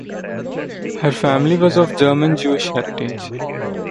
Her family was of German Jewish heritage.